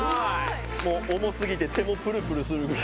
もう重すぎて手もプルプルするぐらい。